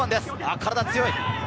体が強い。